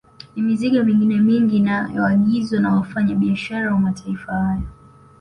Na mizigo mingine mingi inayoagizwa na wafanya biashara wa mataifa hayo